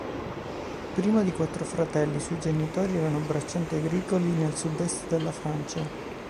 Primo di quattro fratelli, i suoi genitori erano braccianti agricoli nel sud-est della Francia.